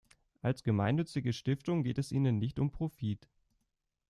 Als gemeinnützige Stiftung geht es ihnen nicht um Profit.